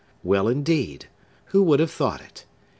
well, indeed! who would have thought it!